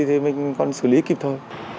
thì mình còn xử lý kịp thôi